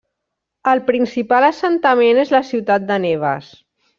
El principal assentament és la ciutat de Neves.